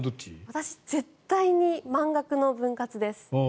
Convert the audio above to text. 私、絶対に満額の分割です。